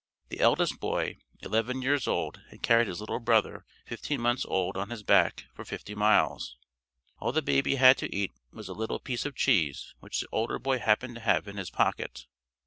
The eldest boy, eleven years old had carried his little brother, fifteen months old on his back for fifty miles. All the baby had to eat was a little piece of cheese which the older boy happened to have in his pocket.